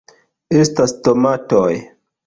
... estas tomatoj